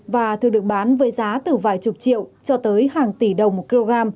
và thường được bán với giá từ vài chục triệu cho tới hàng tỷ đồng một kg